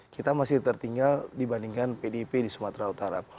kita masih tertinggal dibandingkan pdip di sumatera utara